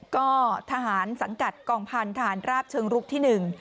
ก็ทหารสังกัดกล่องพันธุ์ทหารราบเชิงรุกที่๑